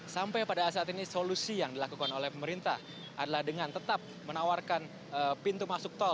sampai pada saat ini solusi yang dilakukan oleh pemerintah adalah dengan tetap menawarkan pintu masuk tol